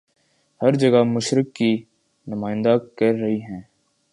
ہر جگہ مشرق کی نمائندہ کرہی ہیں